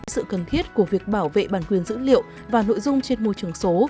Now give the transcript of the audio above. sự cần thiết của việc bảo vệ bản quyền dữ liệu và nội dung trên môi trường số